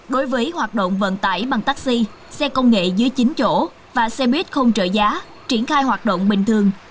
đối với hoạt động vận tải bằng taxi xe công nghệ dưới chín chỗ và xe buýt không trợ giá triển khai hoạt động bình thường